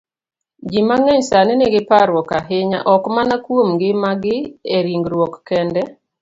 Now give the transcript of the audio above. Ji mang'eny sani nigi parruok ahinya, ok mana kuom ngimagi e ringruok kende,